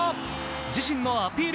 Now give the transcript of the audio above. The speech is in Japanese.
自身のアピール